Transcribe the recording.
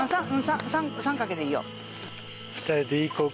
３カケでいいよ。